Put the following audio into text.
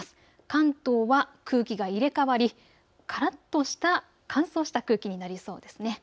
関東は空気が入れ代わりからっとした乾燥した空気になりそうです。